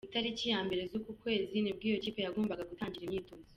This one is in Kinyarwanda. Ku itariki ya mbere z’uku kwezi, nibwo iyo kipe yagombaga gutangira imyitozo.